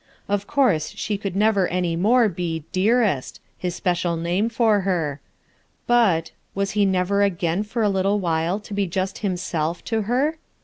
Of course she could never any more be "dearest" — Ids special name for her; but — was he never again for a little while to be just himself, to her?